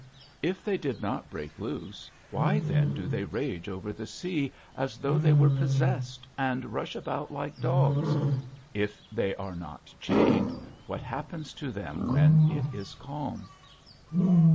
If they do not break loose, why then do they rage over the sea as though they were possessed, and rush about like dogs? If they are not chained, what happens to them when it is calm?